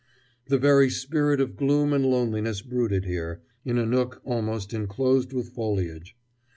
The very spirit of gloom and loneliness brooded here, in a nook almost inclosed with foliage.